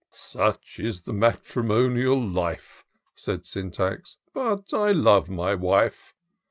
" Such is the matrimonial life," Said Syntax ;—" but I love my wife.